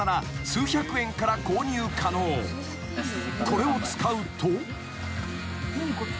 ［これを使うと］